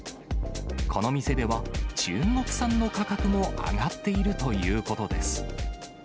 この店では、中国産の価格も上がっているということです。